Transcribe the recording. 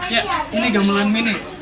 ini gamelan mini